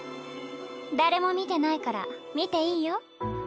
誰も見てないから見ていいよ。